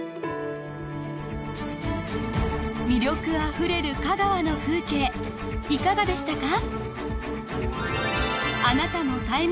魅力あふれる香川の風景いかがでしたか？